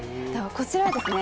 こちらはですね